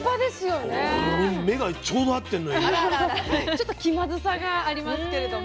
ちょっと気まずさがありますけれども。